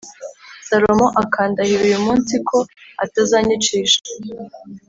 Salomo akandahira uyu munsi ko atazanyicisha